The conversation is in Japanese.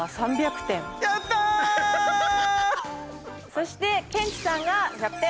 そしてケンチさんが１００点。